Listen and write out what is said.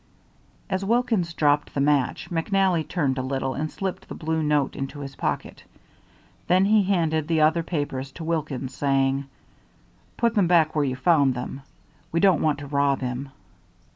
As Wilkins dropped the match, McNally turned a little and slipped the blue note into his pocket. Then he handed the other papers to Wilkins, saying: "Put them back where you found them. We don't want to rob him."